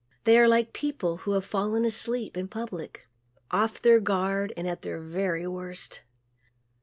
They are like people who have fallen asleep in public, off their guard and at their very worst.